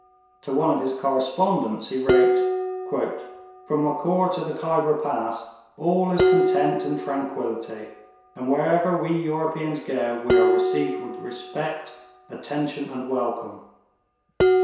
To one of his correspondents he wrote: 'From Mookoor to the Khyber Pass, all is content and tranquillity; and wherever we Europeans go, we are received with respect, attention and welcome.